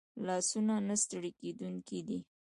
لاسونه نه ستړي کېدونکي دي